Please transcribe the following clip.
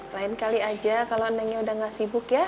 lain kali aja kalau andangnya udah gak sibuk ya